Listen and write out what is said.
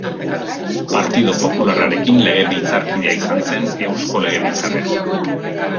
Partido Popularrarekin legebiltzarkidea izan zen Eusko Legebiltzarrean.